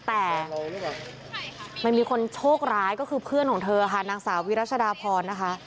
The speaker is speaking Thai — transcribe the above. แต่มันมีคนโชคร้ายก็คือเพื่อนของเธอค่ะนางสาววิรัชดาพรนะคะ